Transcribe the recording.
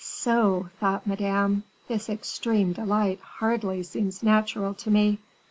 "So!" thought Madame, "this extreme delight hardly seems natural to me."